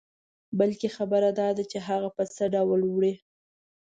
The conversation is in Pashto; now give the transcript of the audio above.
بلکې خبره داده چې هغه په څه ډول وړې.